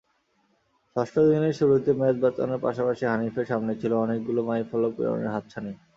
ষষ্ঠ দিনের শুরুতে ম্যাচ বাঁচানোর পাশাপাশি হানিফের সামনে ছিল অনেকগুলো মাইলফলক পেরোনোর হাতছানি।